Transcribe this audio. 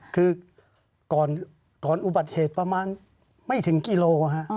คือก่อนอุบัติเหตุประมาณไม่ถึงกิโล